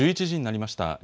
１１時になりました。